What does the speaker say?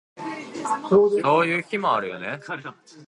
そういう日もあるよね